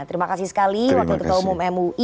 terima kasih sekali wakil ketua umum mui